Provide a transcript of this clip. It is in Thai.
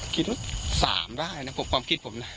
คิดว่า๓ได้นะผมความคิดผมนะ